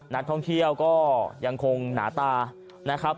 นักท่องเที่ยวก็ยังคงหนาตานะครับ